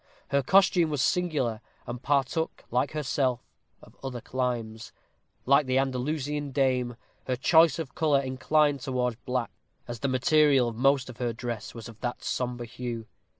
Her costume was singular, and partook, like herself, of other climes. Like the Andalusian dame, her choice of color inclined towards black, as the material of most of her dress was of that sombre hue.